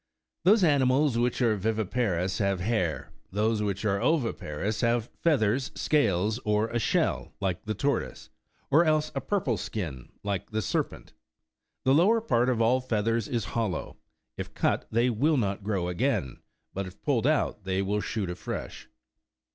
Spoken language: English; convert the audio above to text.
Those animals which are viviparous, have hair ; those which are oviparous, have feathers, scales, or a shell, like the tor toise ; or else a purple skin, like the serpent. The lower part of all feathers is hollow ; if cut, they will not grow again, but if pulled out, they will shoot afresh.